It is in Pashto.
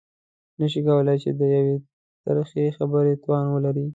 نه شي کولای چې د يوې ترخې خبرې توان ولري.